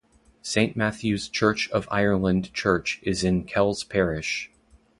Saint Matthew's Church of Ireland church is in Kells parish.